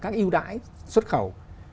các ưu đãi xuất khẩu